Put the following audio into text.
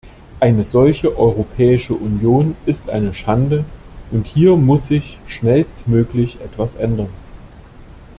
Eine solche Europäische Union ist eine Schande, und hier muss sich schnellstmöglich etwas ändern.